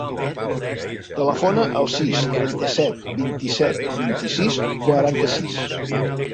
Telefona al sis, trenta-set, vint-i-set, vint-i-sis, quaranta-sis.